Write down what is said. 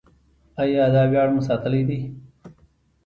آیا دا ویاړ مو ساتلی دی؟